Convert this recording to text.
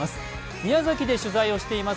宮崎で取材をしています